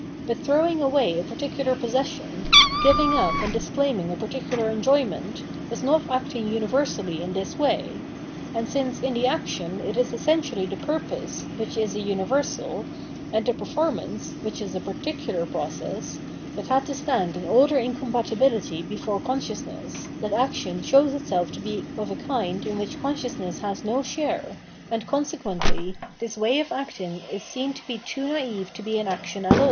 But throwing away a particular possession, giving up and disclaiming a particular enjoyment, is not acting universally in this way. And since in the action it is essentially the purpose, which is a umversal, and the performance, which is a particular process, that had to stand in all their incompatibility before consciousness, that action shows itself to be of a kind in which consciousness has no share, and consequently this way of acting is seen to be too naive to be an action at aU.